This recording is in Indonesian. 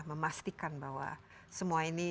memastikan bahwa semua ini